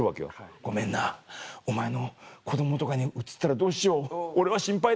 「ごめんなお前の子供とかにうつったらどうしよう俺は心配だよ」。